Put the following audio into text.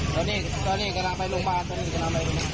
คุณอาจารย์น้องเป็นอย่างไรค่ะ